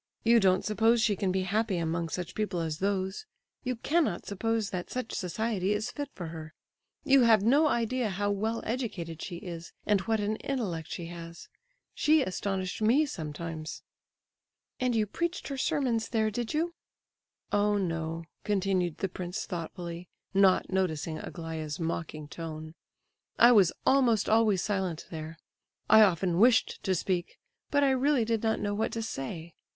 You don't suppose she can be happy among such people as those—you cannot suppose that such society is fit for her? You have no idea how well educated she is, and what an intellect she has! She astonished me sometimes." "And you preached her sermons there, did you?" "Oh no," continued the prince thoughtfully, not noticing Aglaya's mocking tone, "I was almost always silent there. I often wished to speak, but I really did not know what to say.